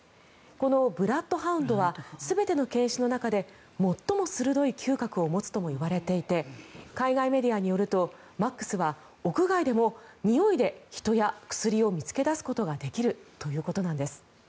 このブラッドハウンドは全ての犬種の中で最も鋭い嗅覚を持つともいわれていて海外メディアによるとマックスは、屋外でもにおいで人や薬を見つけ出すことができるということなんです。